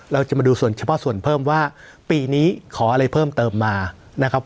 เราจะมาดูส่วนเฉพาะส่วนเพิ่มว่าปีนี้ขออะไรเพิ่มเติมมานะครับ